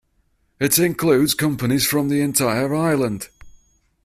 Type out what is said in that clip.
It includes companies from the entire island.